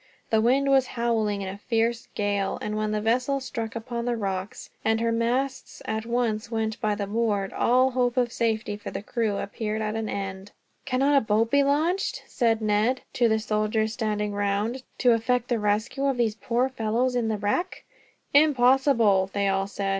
The wind was howling in a fierce gale, and when the vessel struck upon the rocks, and her masts at once went by the board, all hope of safety for the crew appeared at an end. "Cannot a boat be launched," said Ned to the soldiers standing round, "to effect the rescue of these poor fellows in that wreck?" "Impossible!" they all said.